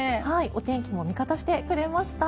お天気も味方してくれました。